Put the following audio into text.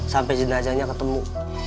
sampai jenazahnya ketemu